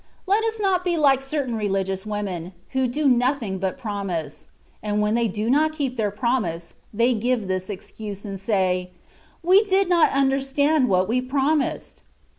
Let us not be Uke certain reUgious women, who do nothing but promise; and when they do not keep their promise, they give this excuse, and say, " We did not understand what we promised.